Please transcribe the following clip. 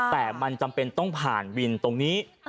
แต่มันจำเป็นต้องผ่านวินตรงนี้